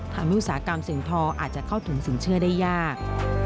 อุตสาหกรรมสิ่งทออาจจะเข้าถึงสินเชื่อได้ยาก